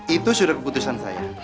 itu sudah keputusan saya